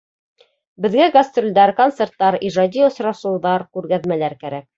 Беҙгә гастролдәр, концерттар, ижади осрашыуҙар, күргәҙмәләр кәрәк.